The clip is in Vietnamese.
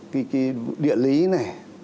cái địa lý này